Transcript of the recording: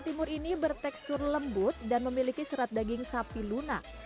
timur ini bertekstur lembut dan memiliki serat daging sapi lunak